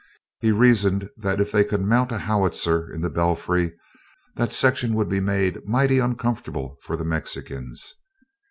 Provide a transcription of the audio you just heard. He reasoned that if they could mount a howitzer in the belfry, that section would be made mighty uncomfortable for the Mexicans.